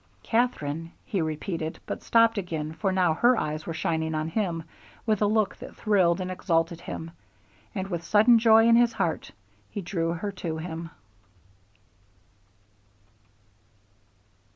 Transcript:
"Katherine," he repeated, but stopped again, for now her eyes were shining on him with a look that thrilled and exalted him, and with sudden joy in his heart he drew her to him.